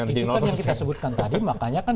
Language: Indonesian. itu kan yang kita sebutkan tadi makanya kan